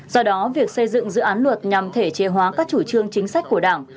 do đó việc xây dựng dự án luật nhằm thể chế hóa các chủ trương chính sách của đảng